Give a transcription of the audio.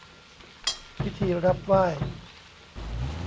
พิธีรับไหว้